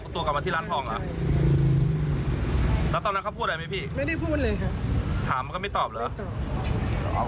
ถามแล้วก็ไม่ตอบเหรอ